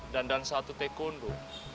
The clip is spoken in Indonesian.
dan dan satu tekundo